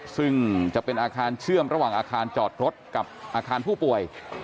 ซึ่งจะเป็นอาคารเชื่อมระหว่างอาคารจอดรถกับอาคารผู้ป่วย